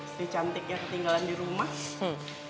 si cantiknya ketinggalan di rumah sih